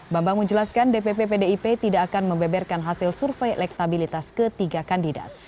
bambang menjelaskan dpp pdip tidak akan membeberkan hasil survei elektabilitas ketiga kandidat